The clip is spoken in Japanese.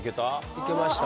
行けました？